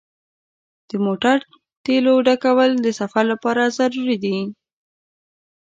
د موټر تیلو ډکول د سفر لپاره ضروري دي.